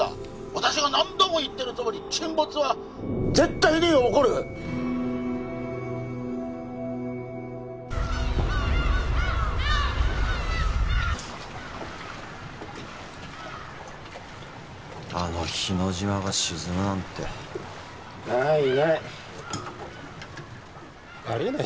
私が何度も言ってるとおり沈没は絶対に起こるあの日之島が沈むなんてないないありえない